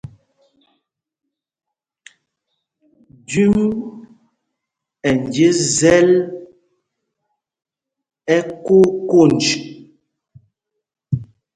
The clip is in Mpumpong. Jüm ɛ́ njes zɛl ɛkonj konj.